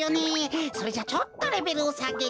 それじゃちょっとレベルをさげて。